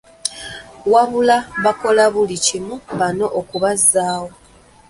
Wabula bakola buli kimu bano okubazzaawo.